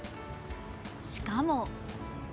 しかも。